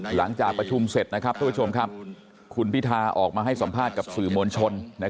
หลังจากประชุมเสร็จทุกผู้ชมครับคุณพิธาออกมาให้สัมภาษณ์กับสื่อมวลชน